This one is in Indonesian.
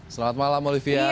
selamat malam olivia